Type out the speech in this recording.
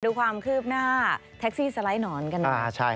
ดูความคืบหน้าแท็กซี่สไลด์หนอนกันหน่อย